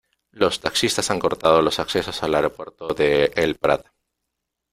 Los taxistas han cortado los accesos al aeropuerto de El Prat.